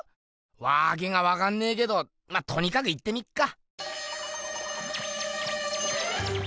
わけがわかんねけどまっとにかく行ってみっか。